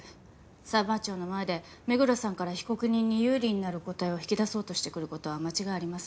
裁判長の前で目黒さんから被告人に有利になる答えを引き出そうとしてくる事は間違いありません。